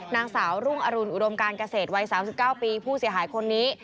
นางสาวรุ่งอรุณอุดมการเกษตรวัย๓๙ปีผู้เสียหายคนนี้